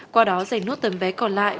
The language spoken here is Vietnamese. qua đó giành nốt tầm vé còn lại